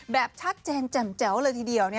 แบบชัดเจนแจ่มแจ๋วเลยทีเดียว